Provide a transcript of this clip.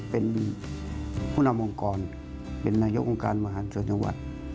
เป็นผู้นำองค์กรเป็นนายกองค์การมหาชนจังหวัด